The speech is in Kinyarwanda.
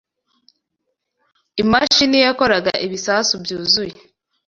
Imashini yakoraga ibisasu byuzuye.